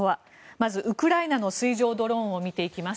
まずウクライナの水上ドローンを見ていきます。